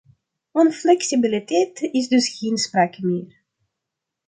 Van flexibiliteit is dus geen sprake meer.